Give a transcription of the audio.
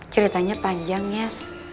ceritanya panjang yas